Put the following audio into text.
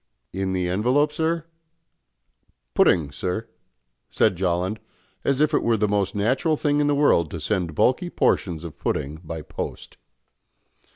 "In the envelope, sir? Pudding, sir," said Jolland, as if it were the most natural thing in the world to send bulky portions of pudding by post.